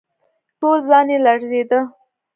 ټول ځان يې لړزېده.